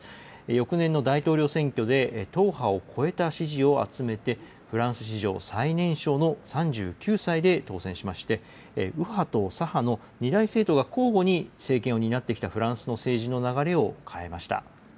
翌年の大統領選挙で、党派を超えた支持を集めて、フランス史上最年少の３９歳で当選しまして、右派と左派の２大政党が交互に政権を担ってきたフランスの政治の流れを変えました。